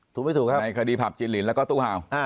ถูกไม่ถูกครับในคดีผับจินลินแล้วก็ตู้ห่าว